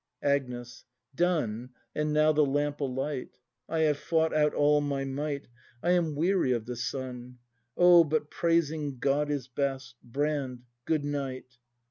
Agnes. Done, and now the lamp alight. I have fought out all my might, I am weary of the sun. Oh, but praising God is best! Brand, good night!